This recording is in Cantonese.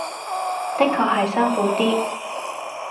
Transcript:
的確係辛苦啲